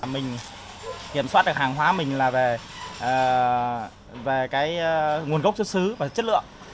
mình kiểm soát được hàng hóa mình là về nguồn gốc chất xứ và chất lượng